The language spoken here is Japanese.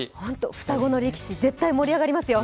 双子の力士、絶対盛り上がりますよ。